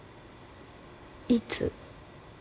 いつ？